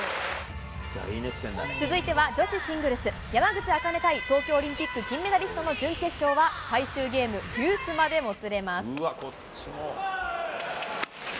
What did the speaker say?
続いては女子シングルス、山口茜対東京オリンピック金メダリストの準決勝は最終ゲーム、デュースまでもつれます。